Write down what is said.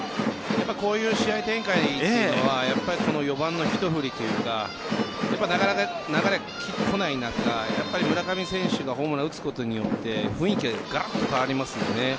こういう試合展開というのは４番のひと振りというのがなかなか流れがこない中村上選手がホームランを打つことによって雰囲気ががらっと変わりますよね。